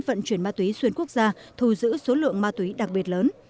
vận chuyển ma túy xuyên quốc gia thu giữ số lượng ma túy đặc biệt lớn